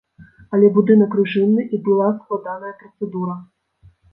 Але будынак рэжымны, і была складаная працэдура.